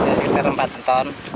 hasilnya sekitar empat ton